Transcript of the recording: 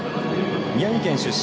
宮城県出身。